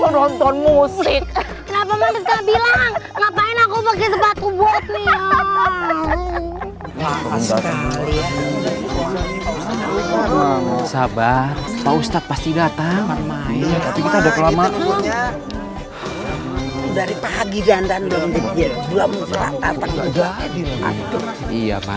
nonton musik kenapa mesti bilang ngapain aku pakai sepatu buat nih ah ah ah ah ah ah ah